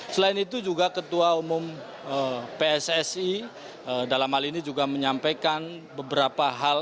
selain itu juga ketua umum pssi dalam hal ini juga menyampaikan beberapa hal